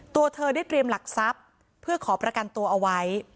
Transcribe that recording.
ตัวเธอได้เตรียมหลักทรัพย์เพื่อขอประกันตัวเอาไว้